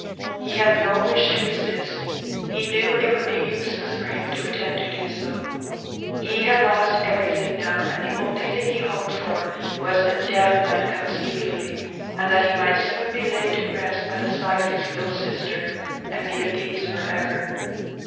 He had no wish to resist. He knew it would be useless for him to attempt to do so. He had lost everything now, and the only thing he hoped for was that death might come speedily, and that he might soon be laid to rest by the side of his little sister, and be at peace for ever.